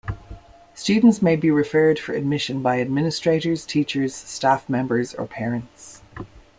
Students may be referred for admission by administrators, teachers, staff members or parents.